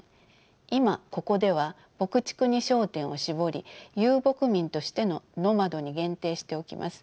今ここでは牧畜に焦点を絞り遊牧民としてのノマドに限定しておきます。